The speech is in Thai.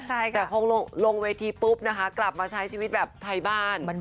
แต่พอลงเวทีปุ๊บนะคะกลับมาใช้ชีวิตแบบไทยบ้าน